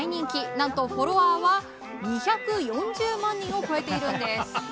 何と、フォロワーは２４０万人を超えているんです。